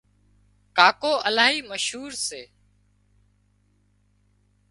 ڪاڪو الاهي مشهور سي